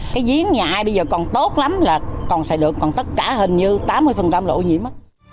cái giếng nhà ai bây giờ còn tốt lắm là còn xi được còn tất cả hình như tám mươi độ ô nhiễm